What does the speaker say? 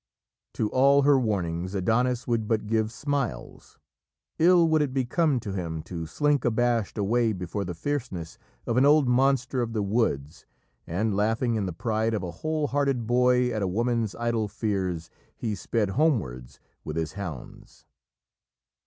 To all her warnings, Adonis would but give smiles. Ill would it become him to slink abashed away before the fierceness of an old monster of the woods, and, laughing in the pride of a whole hearted boy at a woman's idle fears, he sped homewards with his hounds.